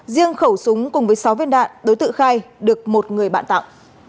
riêng khẩu súng cùng với sáu viên đạn đối tượng khai được một người bạn tặng